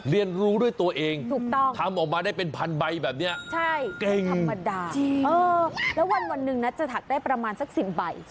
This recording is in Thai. เรียนรู้ด้วยตัวเองถูกต้องทำออกมาได้เป็นพันใบแบบนี้แกงธรรมดาแล้ววันหนึ่งนะจะถักได้ประมาณสัก๑๐ใบ